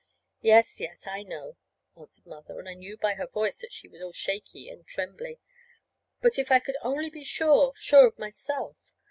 "Yes, yes, I know," answered Mother; and I knew by her voice that she was all shaky and trembly. "But if I could only be sure sure of myself."